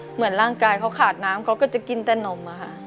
เหมือนร่างกายเขาขาดน้ำเขาก็จะกินแต่นมอะค่ะ